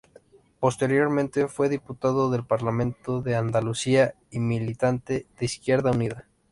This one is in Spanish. Posteriormente fue diputado del Parlamento de Andalucía y militante de Izquierda Unida.